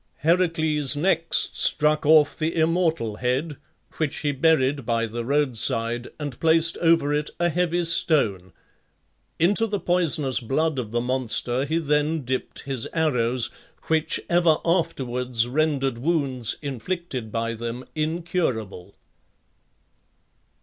Heracles next struck off the immortal head, which he buried by the road side, and placed over it a heavy stone. Into the poisonous blood of the monster he then dipped his arrows, which ever afterwards rendered wounds inflicted by them incurable.